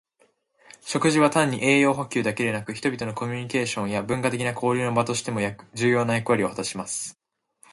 食事は単に栄養補給だけでなく、人々のコミュニケーションや文化的な交流の場としても重要な役割を果たします。